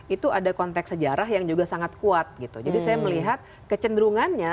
itu ada konteks sejarah yang juga sangat kuat gitu jadi saya melihat kecenderungannya